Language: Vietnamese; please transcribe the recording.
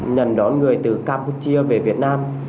nhận đón người từ campuchia về việt nam